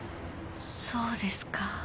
そうですか